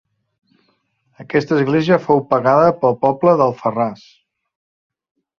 Aquesta església fou pagada pel poble d'Alfarràs.